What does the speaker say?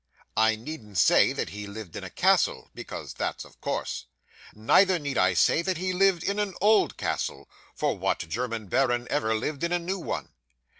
I needn't say that he lived in a castle, because that's of course; neither need I say that he lived in an old castle; for what German baron ever lived in a new one?